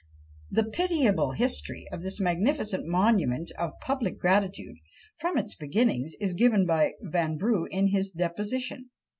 The pitiable history of this magnificent monument of public gratitude, from its beginnings, is given by Vanbrugh in his deposition.